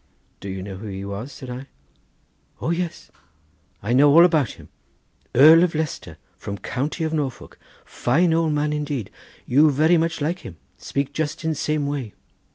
"Do you know who he was?" said I. "O yes; know all about him; Earl of Leicester, from county of Norfolk; fine old man indeed—you very much like him—speak just in same way."